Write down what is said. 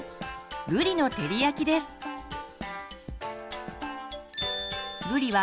「ぶりの照り焼き」です。